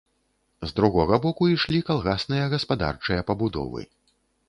З другога боку ішлі калгасныя гаспадарчыя пабудовы.